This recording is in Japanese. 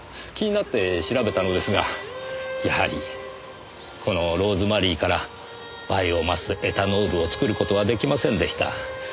気になって調べたのですがやはりこのローズマリーからバイオマスエタノールを作る事は出来ませんでした。